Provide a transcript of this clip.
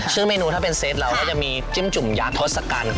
ซึ่งเมนูถ้าเป็นเซตเราก็จะมีจิ้มจุ่มยักษกัณฐ์